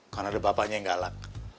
karena ada bapaknya yang galak